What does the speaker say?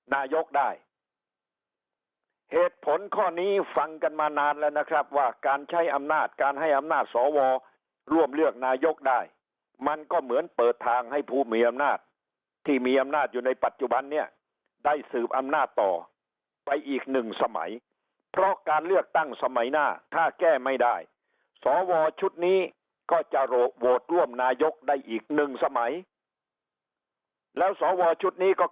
นายกได้เหตุผลข้อนี้ฟังกันมานานแล้วนะครับว่าการใช้อำนาจการให้อำนาจสวร่วมเลือกนายกได้มันก็เหมือนเปิดทางให้ผู้มีอำนาจที่มีอำนาจอยู่ในปัจจุบันเนี่ยได้สืบอำนาจต่อไปอีกหนึ่งสมัยเพราะการเลือกตั้งสมัยหน้าถ้าแก้ไม่ได้สวชุดนี้ก็จะโหวตร่วมนายกได้อีกหนึ่งสมัยแล้วสวชุดนี้ก็